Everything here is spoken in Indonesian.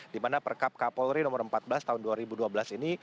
di mana perkap kapolri nomor empat belas tahun dua ribu dua belas ini